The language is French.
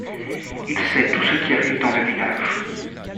Il sait tout ce qui arrive dans le village.